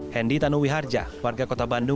hendy tanuwi harja warga kota bandung